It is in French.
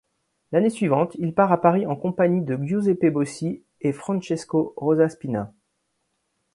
L'année suivante, il part à Paris en compagnie de Giuseppe Bossi et Francesco Rosaspina.